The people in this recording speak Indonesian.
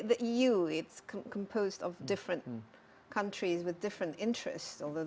tidak memilih seseorang seperti donald trump